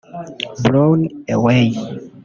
Blown Away